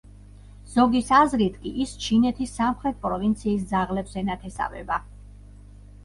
ზოგის აზრით კი ის ჩინეთის სამხრეთ პროვინციის ძაღლებს ენათესავება.